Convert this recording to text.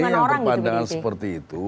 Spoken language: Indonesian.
tapi yang berpandangan seperti itu